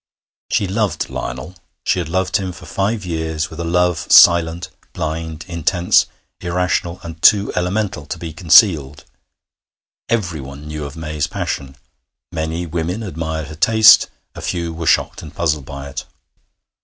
She loved Lionel. She had loved him for five years, with a love silent, blind, intense, irrational, and too elemental to be concealed. Everyone knew of May's passion. Many women admired her taste; a few were shocked and puzzled by it.